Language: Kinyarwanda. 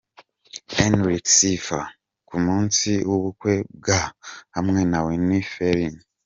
Enric Sifa ku munsi w'ubukwe bwe hamwe na Whitney Ferrin .